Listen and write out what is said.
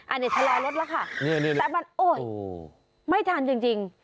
อันในทะเลรถท์แล้วค่ะเนี่ยไม่ทันจริงครับ